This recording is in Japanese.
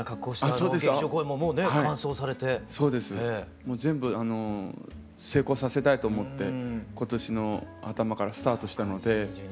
もう全部成功させたいと思って今年の頭からスタートしたのでホッとしてます。